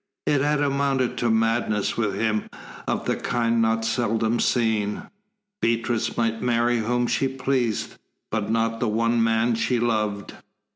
It had amounted to a madness with him of the kind not seldom seen. Beatrice might marry whom she pleased, but not the one man she loved.